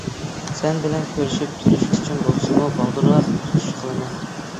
سەن بىلەن كۆرۈشۈپ تۇرۇش ئۈچۈن بولسىمۇ، بالدۇرراق تۇتۇش قىلىمەن.